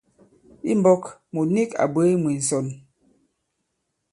I mbɔ̄k mùt nik à bwě mwē ǹsɔn.